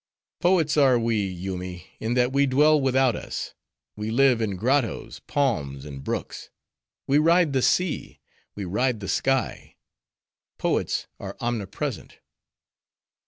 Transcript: Poets are we, Yoomy, in that we dwell without us; we live in grottoes, palms, and brooks; we ride the sea, we ride the sky; poets are omnipresent."